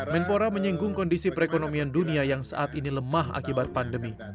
menpora menyinggung kondisi perekonomian dunia yang saat ini lemah akibat pandemi